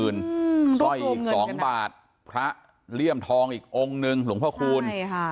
สร้อยอีกสองบาทพระเลี่ยมทองอีกองค์หนึ่งหลวงพ่อคูณ